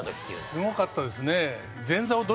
すごかったですね。